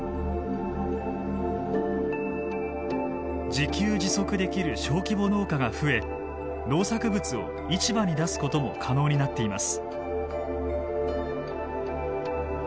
自給自足できる小規模農家が増え農作物を市場に出すことも可能になっています。